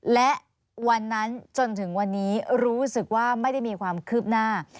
และวันนั้นจนถึงวันนี้รู้สึกว่าไม่ได้มีความคืบหน้า